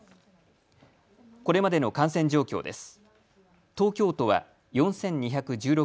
これまでの感染状況です。